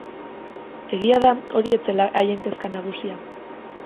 Egia da hori ez zela haien kezka nagusia.